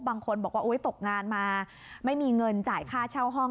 บางคนบอกว่าตกงานมาไม่มีเงินจ่ายค่าเช่าห้อง